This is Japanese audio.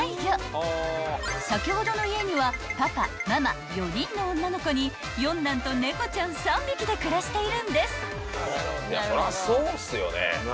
［先ほどの家にはパパママ４人の女の子に四男と猫ちゃん３匹で暮らしているんです］